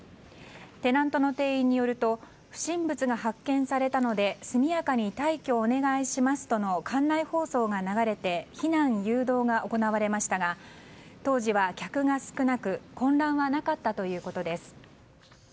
テナントの店員によると不審物が発見されたので速やかに退去をお願いしますとの館内放送が流れて避難誘導が行われましたが当時は客が少なく混乱はなかったということです。